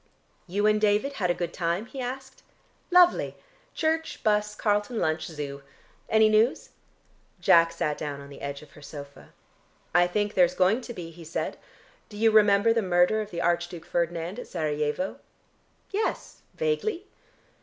"You and David had a good time?" he asked. "Lovely! Church, bus, Carlton lunch, Zoo. Any news?" Jack sat down on the edge of her sofa. "I think there's going to be," he said. "Do you remember the murder of the Archduke Ferdinand at Serajevo?" "Yes, vaguely."